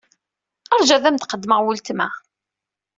Ṛju ad am-d-qeddmeɣ weltma.